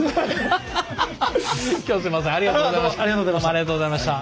今日すいませんありがとうございました。